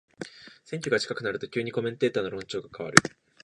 選挙が近くなると急にコメンテーターの論調が変わる